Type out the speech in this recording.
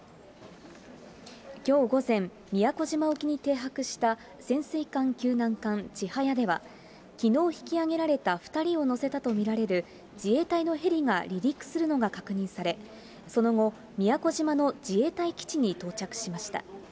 きょう午前、宮古島沖に停泊した潜水艦救難艦ちはやでは、きのう引きあげられた２人を乗せたと見られる、自衛隊のヘリが離陸するのが確認され、その後、宮古島の自衛隊基地に到着しました。